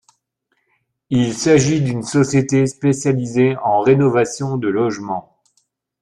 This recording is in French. Il s'agit d'une société spécialisée en rénovation de logements.